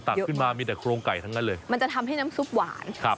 ขึ้นมามีแต่โครงไก่ทั้งนั้นเลยมันจะทำให้น้ำซุปหวานครับ